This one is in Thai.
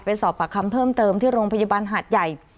สอบปากคำเพิ่มเติมที่โรงพยาบาลหาดใหญ่